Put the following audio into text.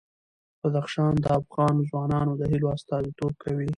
بدخشان د افغان ځوانانو د هیلو استازیتوب کوي.